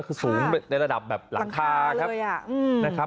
คือสูงในระดับแบบหลังคาครับหลังคาเลยอ่ะอืมนะครับ